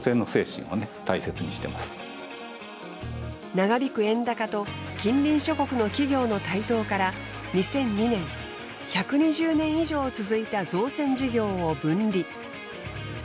長引く円高と近隣諸国の企業の台頭から２００２年１２０年以上続いた造船事業を分離。